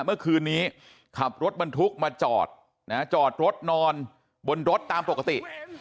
เมื่อคืนนี้ขับรถบรรทุกมาจอดจอดรถนอนบนรถตามปกติ